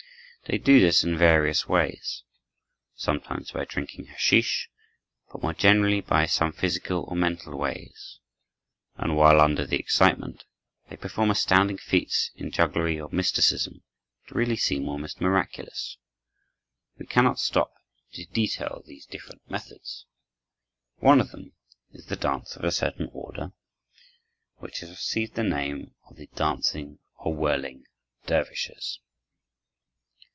They do this in various ways: Sometimes by drinking hasheesh, but more generally by some physical or mental ways, and while under the excitement they perform astounding feats in jugglery or mysticism that really seem almost miraculous. We cannot stop to detail these different methods. One of them is the dance of a certain order which has received the name of the "dancing or whirling dervishes."